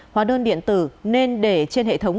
hóa đơn điện tử nên để trên hệ thống